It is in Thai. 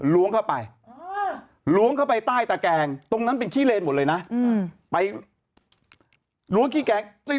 ล้วงเข้าไปล้วงเข้าไปใต้ตะแกงตรงนั้นเป็นขี้เลนหมดเลยนะไปล้วงขี้แกง